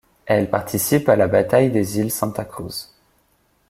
Elle participe à la bataille des îles Santa Cruz.